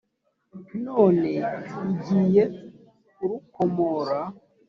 None igiye kurukomora,